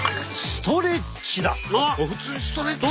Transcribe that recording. ストレッチ。